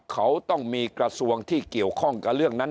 เขาต้องมีกระทรวงที่เกี่ยวข้องกับเรื่องนั้น